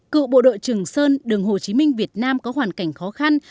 cựu bộ đội trường sơn đường hồ chí minh việt nam có hoàn cảnh khó khăn